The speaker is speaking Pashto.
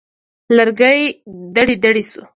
لرګی دړې دړې شو.